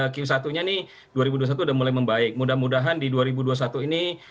q satu nya nih dua ribu dua puluh satu sudah mulai membaik mudah mudahan di dua ribu dua puluh satu ini